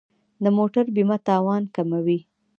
د موټر بیمه تاوان کموي.